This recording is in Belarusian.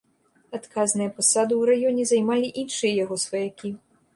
Адказныя пасады ў раёне займалі іншыя яго сваякі.